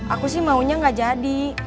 aku sih maunya gak jadi